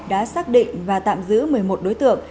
đã xác định và tạm giữ một mươi một đối tượng